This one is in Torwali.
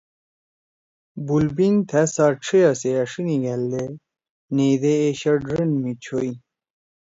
بُولبینگ تھأ سات ڇھیِا سی أݜی نیِگھألدے نیئیدے اے شڑ ڙن می چھوئی۔